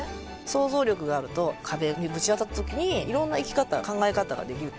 想像力があると壁にぶち当たった時にいろんな生き方考え方ができる。